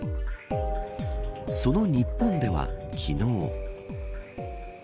その日本では、昨日。